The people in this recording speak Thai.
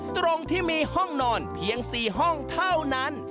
ตรงที่มีห้องนอนเพียง๔ห้องเท่านั้น